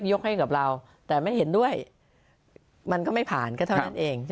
ยกให้กับเราแต่ไม่เห็นด้วยมันก็ไม่ผ่านก็เท่านั้นเอง